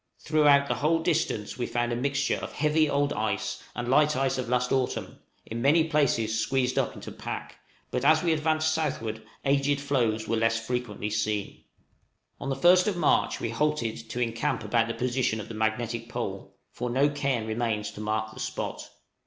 Throughout the whole distance we found a mixture of heavy old ice and light ice of last autumn, in many places squeezed up into pack; but as we advanced southward aged floes were less frequently seen. On the first of March we halted to encamp at about the position of the magnetic pole for no cairn remains to mark the spot.